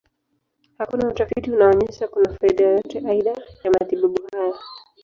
Hakuna utafiti unaonyesha kuna faida yoyote aidha ya matibabu haya.